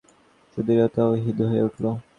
সুচরিতাও হিঁদু হয়ে উঠল!